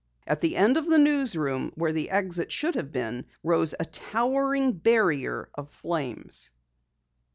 At the end of the newsroom, where the exit should have been, rose a towering barrier of flames.